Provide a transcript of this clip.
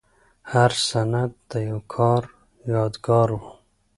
هر سند د یو کار یادګار و.